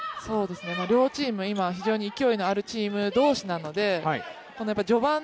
両チーム勢いのあるチーム同士なので序盤